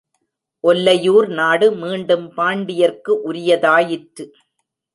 ஒல்லையூர் நாடு மீண்டும் பாண்டியர்க்கு உரியதாயிற்று.